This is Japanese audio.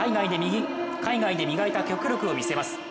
海外で磨いた脚力を見せます。